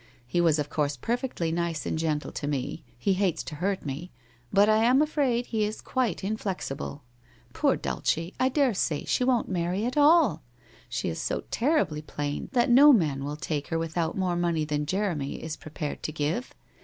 He was of course perfectly nice and gentle to me — he hates to hurt me — but I am afraid he is quite inflexible. Poor Dulce, I daresay she won't marry at all! She is so ter ribly plain that no man will take her without more money than Jeremy is prepared to give.